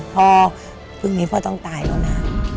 พ่อพรุ่งนี้พ่อต้องตายแล้วนะ